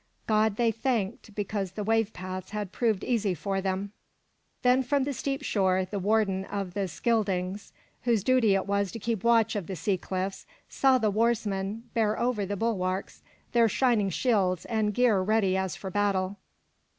God they thanked because the wave paths had proved easy for them. Then from the steep shore the warden of the Scyldings, whose duty it was to keep watch of the sea cliffs, saw the warsmen bear over the bulwarks their shining shields and gear ready as for battle.